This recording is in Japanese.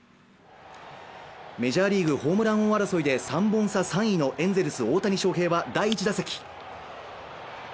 メジャーリーグ、ホームラン王争いで３本差３位のエンゼルス・大谷翔平は第１打席。